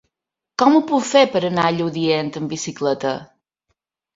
Com ho puc fer per anar a Lludient amb bicicleta?